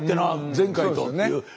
前回と」っていう。